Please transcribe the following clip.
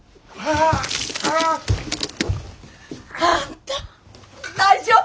ああ！あんた大丈夫？